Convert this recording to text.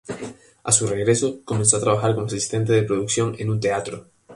A su regreso comenzó a trabajar como asistente de producción en un teatro.